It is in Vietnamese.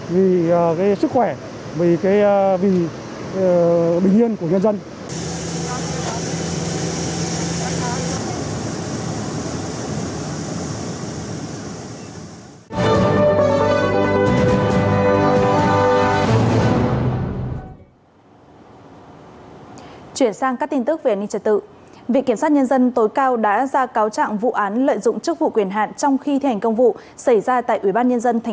vì sức khỏe vì bình yên của nhân dân